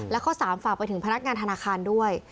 และข้อ๓ฝากไปถึงพนักงานธนาคารด้วย